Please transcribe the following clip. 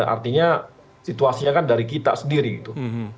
artinya situasinya kan dari kita sendiri gitu